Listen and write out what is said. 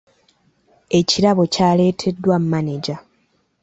Ekirabo kyaleeteddwa maneja.